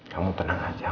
kamu tenang aja